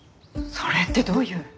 それってどういう？